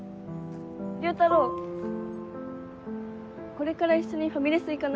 これから一緒にファミレス行かない？